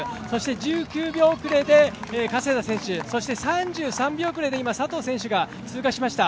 １９秒遅れで加世田選手そして３３秒遅れで今、佐藤選手が通過しました。